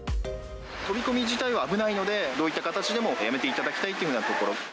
飛び込み自体は危ないので、どういった形でもやめていただきたいというようなところ。